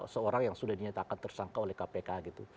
seorang yang sudah dinyatakan tersangka oleh kpk gitu